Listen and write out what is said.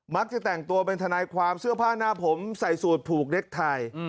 จะแต่งตัวเป็นทนายความเสื้อผ้าหน้าผมใส่สูตรผูกเล็กไทย